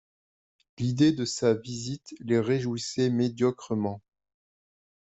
L'idée de sa visite les réjouissait médiocrement.